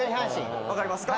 分かりますか？